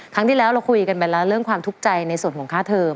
ครั้งที่แล้วเราคุยกันไปแล้วเรื่องความทุกข์ใจในส่วนของค่าเทอม